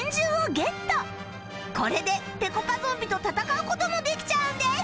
これでぺこぱゾンビと戦う事もできちゃうんです